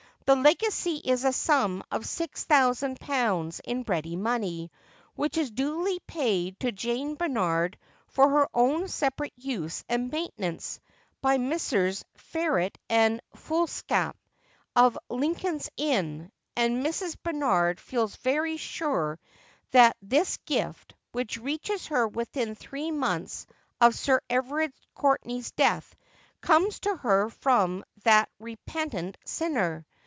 The legacy is the sum of six thousand pounds in ready money, which is duly paid to Jane Barnard for her own separate use and maintenance, by Messrs. Fherret and Phoolskap, of Lincoln'« Inn ; and Mrs. Barnard feels very ' The Best is Silence: 337 sure that this gift, which reaches her within three months of SirEverard Courtenay's death, comes to her from that repentent sinner.